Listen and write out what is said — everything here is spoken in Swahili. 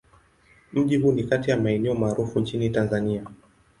Mji huu ni kati ya maeneo maarufu nchini Tanzania.